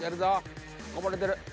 こぼれてる。